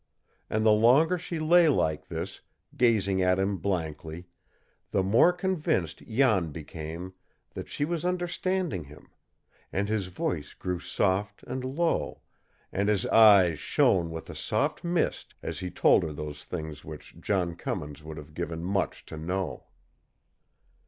And the longer she lay like this, gazing at him blankly, the more convinced Jan became that she was understanding him; and his voice grew soft and low, and his eyes shone with a soft mist as he told her those things which John Cummins would have given much to know.